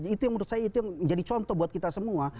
itu yang menurut saya itu menjadi contoh buat kita semua